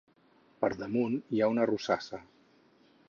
Per damunt hi ha una rosassa.